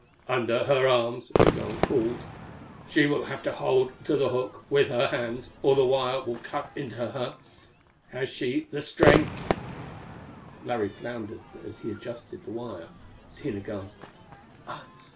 "Under her arms," Migul called. "She will have to hold to the hook with her hands or the wire will cut into her. Has she the strength?" Larry floundered as he adjusted the wire. Tina gasped.